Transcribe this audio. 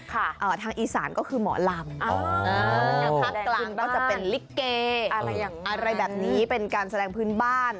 ทางอีสานก็คือหมอลำทางภาคกลางก็จะเป็นลิเกอะไรแบบนี้เป็นการแสดงพื้นบ้าน